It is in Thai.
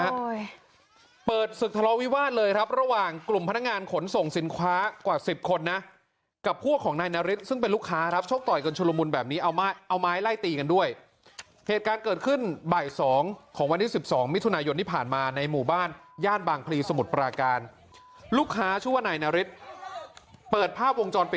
โอ้โหเปิดศึกทะเลาวิวาสเลยครับระหว่างกลุ่มพนักงานขนส่งสินค้ากว่าสิบคนนะกับพวกของนายนาริสซึ่งเป็นลูกค้าครับชกต่อยกันชุลมุนแบบนี้เอาไม้ไล่ตีกันด้วยเหตุการณ์เกิดขึ้นบ่ายสองของวันที่สิบสองมิถุนายนที่ผ่านมาในหมู่บ้านย่านบางพลีสมุทรปราการลูกค้าชื่อว่านายนาริสเปิดภาพวงจรปิด